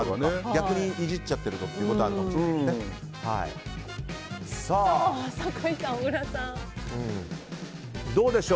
逆にいじっちゃってるとってことがあるかもしれないです。